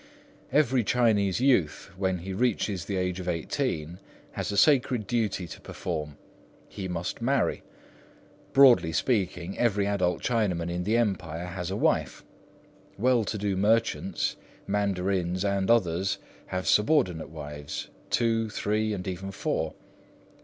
Every Chinese youth, when he reaches the age of eighteen, has a sacred duty to perform: he must marry. Broadly speaking, every adult Chinaman in the Empire has a wife; well to do merchants, mandarins, and others have subordinate wives, two, three, and even four.